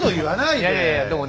いやいやいやでもね